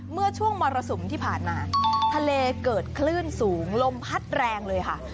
เมื่อช่วงมรสุมที่ผ่านมาทะเลเกิดคลื่นสูงลมพัดแรงเลยค่ะ